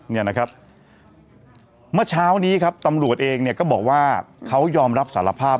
เนี่ยนะครับเมื่อเช้านี้ครับตำรวจเองเนี่ยก็บอกว่าเขายอมรับสารภาพ